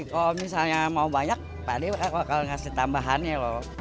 kalau misalnya mau banyak pak ade bakal ngasih tambahannya loh